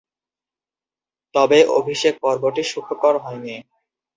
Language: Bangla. তবে, অভিষেক পর্বটি সুখকর হয়নি।